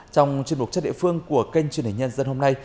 trong chương trình chất địa phương của kênh truyền hình nhân dân hôm nay